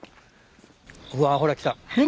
うわほら来た。